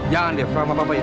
jangan dev sama papa ya dev